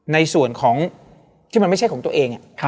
ในส่วนของที่มันไม่ใช่ของตัวเอง